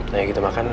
nah gitu makan